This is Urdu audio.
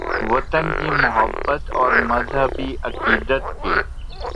، وطن کی محبت اور مذہبی عقیدت کے